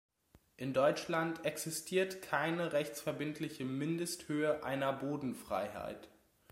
In Deutschland existiert keine rechtsverbindliche Mindesthöhe einer Bodenfreiheit.